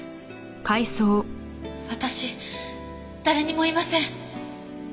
私誰にも言いません。